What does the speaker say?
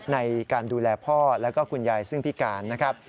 ในการดูแลพ่อแล้วก็คุณยายซึ่งพิการนะครับ